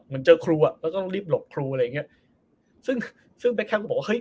เจอครูอ่ะก็ต้องรีบหลบครูอะไรอย่างเงี้ยซึ่งซึ่งแก๊แคมปก็บอกว่าเฮ้